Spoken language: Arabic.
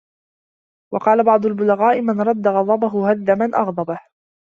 وَقَالَ بَعْضُ الْبُلَغَاءُ مَنْ رَدَّ غَضَبَهُ هَدَّ مَنْ أَغْضَبَهُ